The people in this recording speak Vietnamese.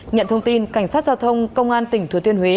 nhận thông tin cảnh sát giao thông công an tỉnh thừa thiên huế